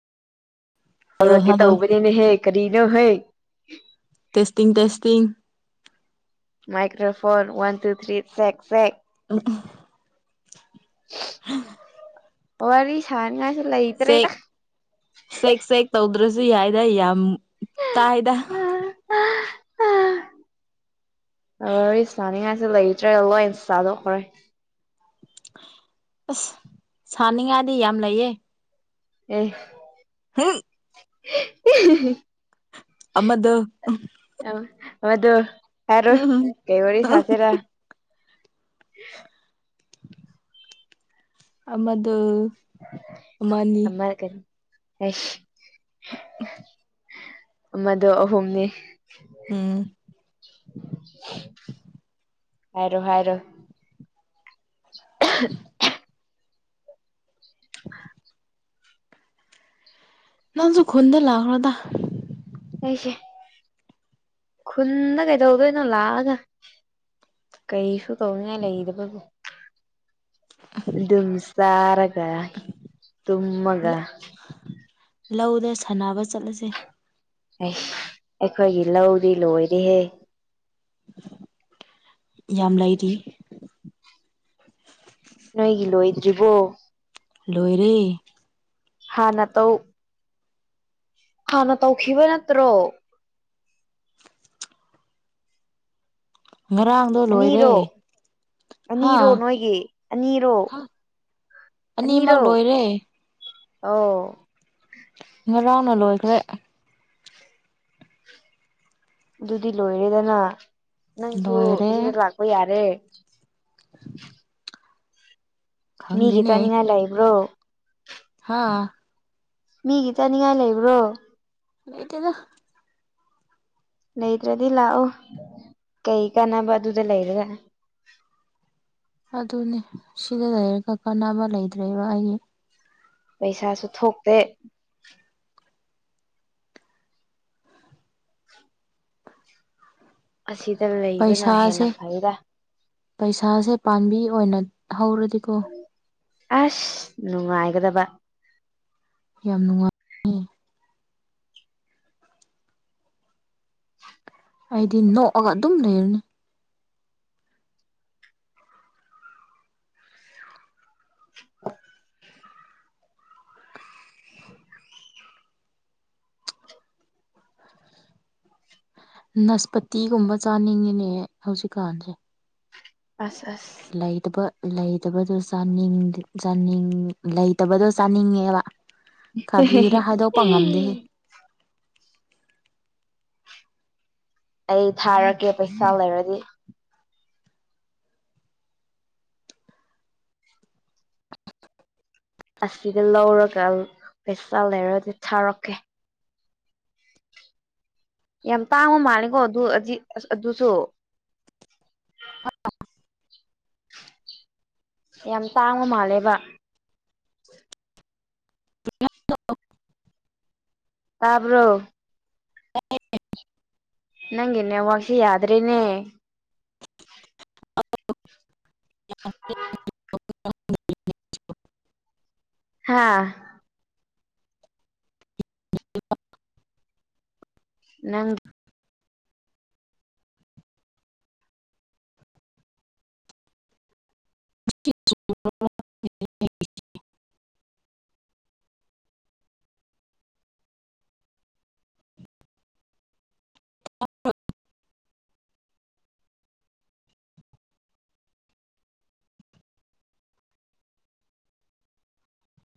hello ꯇꯧꯔꯛꯀꯦ hello ꯇꯧꯒꯅꯦꯅꯦ ꯍꯦ ꯈꯔꯤꯗꯣ ꯍꯦ testing testing microphone one two three six six ꯑꯗꯨ ꯋꯥꯔꯤ ꯁꯥꯟ ꯉꯁꯤꯂ ꯆꯦꯛ ꯏꯇ꯭ꯔꯦꯗ ꯆꯦꯛ ꯆꯦꯛ ꯇꯧꯗ꯭ꯔꯁꯨ ꯌꯥꯏꯗ ꯌꯥꯝ ꯇꯥꯏꯗ ꯋꯥꯔꯤ ꯆꯥꯅꯤꯡꯉꯥꯏꯁꯦ ꯂꯩꯇ꯭ꯔꯒ ꯂꯣꯏꯅ ꯆꯥꯗꯣꯛꯈ꯭ꯔꯦ ꯑꯁ ꯁꯥꯅꯤꯡꯉꯥꯏꯗꯤ ꯌꯥꯝ ꯂꯩꯌꯦ ꯎ ꯍ [unintelligible] ꯑꯗꯨ ꯑ ꯃꯗꯨ ꯌꯥꯔꯣ ꯀꯩ ꯋꯥꯔꯤ ꯋꯥꯔꯤ ꯁꯥꯁꯦꯔ ꯑꯗꯨ ꯑꯃꯔ ꯀꯔꯤꯁ ꯃꯗꯨ ꯑꯍꯨꯝꯅꯤ ꯎꯝ [inaudible] ꯍꯥꯏꯔꯣ ꯍꯥꯏꯔꯣ [inaudible] ꯅꯁꯨ ꯈꯣꯟꯟꯗ ꯂꯥꯛꯣ ꯇ ꯑꯩꯁꯦ ꯈꯨꯟꯗ ꯀꯩꯗꯧꯗꯣꯏꯅꯣ ꯂꯥꯛꯑꯒ ꯀꯩꯁꯨ ꯇꯧꯉ ꯂꯩꯗꯦꯕꯕ ꯑꯗꯨꯝ ꯁꯔꯒ ꯇꯃꯒ ꯂꯧꯗ ꯁꯥꯟꯅꯕ ꯆꯠꯂꯁꯦ ꯁ ꯑꯩꯈꯣꯏꯒꯤ ꯂꯧꯗꯤ ꯂꯣꯏꯔꯦꯍꯦ ꯌꯥꯝ ꯂꯩꯔꯤ ꯅꯣꯏꯒꯤ ꯂꯣꯏꯗ꯭ꯔꯤꯕꯣ ꯂꯣꯏꯔꯔꯤ ꯍꯥꯟ ꯅ ꯇ ꯍꯥꯟꯅ ꯇꯧꯈꯤꯕ ꯅꯠꯇ꯭ꯔꯣ ꯉꯔꯥꯡ ꯑꯅꯤꯔꯣ ꯑꯅꯤꯔꯣ ꯅꯣꯏꯒꯤ ꯑꯅꯤꯔꯣ ꯑꯅꯤꯃꯛ ꯂꯣꯏꯔꯦ ꯑꯣ ꯉꯔꯥꯎꯅ ꯂꯣꯏꯈ꯭ꯔꯦ ꯑꯗꯨꯗꯤ ꯂꯣꯏꯔꯦꯗꯅ ꯅꯪꯁꯨ ꯂꯣꯏꯔꯦ ꯁꯤꯗ ꯂꯥꯛꯄ ꯌꯥꯔꯦ [unintelligible] ꯃꯤꯒꯤ ꯈꯪꯗꯦꯅꯦ ꯆꯥꯅꯤꯡꯉꯥꯏ ꯂꯩꯥꯛꯏꯕ꯭ꯔꯣ ꯍꯥꯥ ꯃꯤꯒꯤ ꯆꯥꯅꯤꯡꯉꯥꯏ ꯂꯩꯕ꯭ꯔꯣ ꯂꯩꯇꯗ ꯂꯩꯇ꯭ꯔꯗꯤ ꯂꯥꯛꯑꯣ ꯀꯩ ꯀꯥꯟꯅꯕ ꯑꯗꯨꯗ ꯂꯩꯔꯦꯒ ꯑꯗꯨꯅꯦ ꯁꯤꯗ ꯂꯩꯔꯒ ꯀꯥꯟꯅꯕ ꯂꯩꯇ꯭ꯔꯦꯕ ꯑꯩꯒꯤ ꯄꯩꯁꯥꯁꯨ ꯊꯣꯛꯇꯦ ꯑꯁꯤꯗ ꯂꯩꯕꯅ ꯄꯩꯁꯥꯁꯦ ꯍꯦꯟꯅ ꯐꯩꯗ ꯄꯩꯁꯥꯁꯦ ꯄꯥꯝꯕꯤ ꯑꯣꯏꯅ ꯍꯧꯔꯗꯤꯀꯣ ꯑꯁ ꯅꯨꯡꯉꯥꯏꯒꯗꯕ ꯌꯥꯝ ꯅꯨꯡꯉꯥꯏ ꯍꯥꯏꯗꯤ ꯅꯣꯛꯑꯒ ꯑꯗꯨꯝ ꯂꯩꯔꯅꯤ ꯅꯁꯄꯇꯤꯒꯨꯝꯕ ꯆꯥꯅꯤꯡꯉꯤꯅꯦꯍ ꯍꯧꯖꯤꯛꯀꯥꯟꯁꯦ ꯑꯁ ꯑꯁ ꯂꯩꯇꯕ ꯂꯩꯇꯕꯗꯣ ꯆꯥꯅꯤꯡ ꯆꯥꯅꯤꯡ ꯂꯩꯇꯕꯗꯣ ꯆꯥꯅꯤꯡꯉꯦꯕ ꯀꯔꯤꯔ ꯍꯥꯏꯗꯣꯛꯄ ꯉꯝꯗꯦꯦ ꯑꯩ ꯊꯥꯔꯒꯦ ꯄꯩꯁꯥ ꯂꯩꯔꯗꯤ ꯑꯁꯤꯗ ꯂꯧꯔꯒ ꯄꯩꯁꯥ ꯂꯩꯔꯗꯤ ꯊꯥꯔꯛꯀꯦ ꯌꯥꯝ ꯇꯥꯡꯉ ꯃꯥꯜꯂꯀꯣ ꯑꯗꯨ ꯑꯁ ꯑꯗꯨꯁꯨ ꯌꯥꯝ ꯇꯥꯡꯕ ꯃꯥꯜꯂꯦꯕ ꯇꯥꯕ꯭ꯔꯣ ꯅꯪ ꯏꯅꯦ ꯋꯥꯁꯤ ꯌꯥꯗ꯭ꯔꯦꯅꯦ ꯑ [unintelligible] ꯍꯥꯥ [inaudible] ꯅꯪ [inaudible]